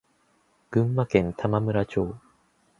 群馬県玉村町